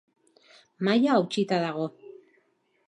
Mahaia hautsita dago.